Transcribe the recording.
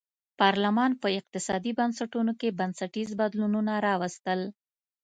پارلمان په اقتصادي بنسټونو کې بنسټیز بدلونونه راوستل.